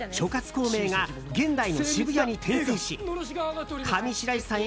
孔明が現代の渋谷に転生し上白石さん